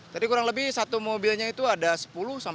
tadi kurang lebih satu mobilnya itu ada sepuluh sampai tiga belas orang